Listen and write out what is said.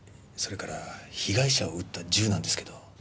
それから被害者を撃った銃なんですけど。